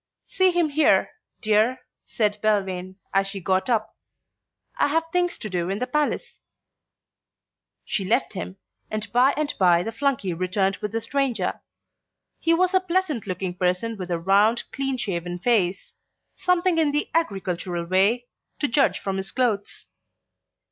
"See him here, dear," said Belvane, as she got up. "I have things to do in the Palace." She left him; and by and by the flunkey returned with the stranger. He was a pleasant looking person with a round clean shaven face; something in the agricultural way, to judge from his clothes.